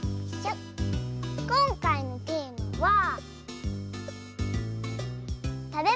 こんかいのテーマはおっ。